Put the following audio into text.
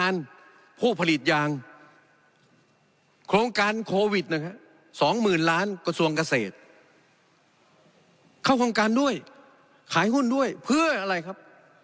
ด้วยขายหุ้นด้วยเพื่ออะไรครับ